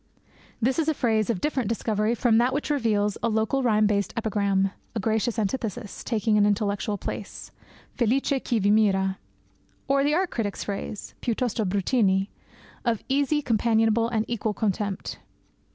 This is a phrase of different discovery from that which reveals a local rhyme balanced epigram, a gracious antithesis, taking an intellectual place Felice chi vi mira or the art critic's phrase piuttosto bruttini of easy, companionable, and equal contempt.